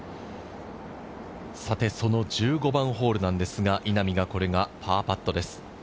その１５番ホールなんですが、稲見がこれがパーパットです。